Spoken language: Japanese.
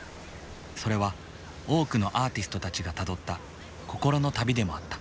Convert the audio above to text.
それは多くのアーティストたちがたどった心の旅でもあった。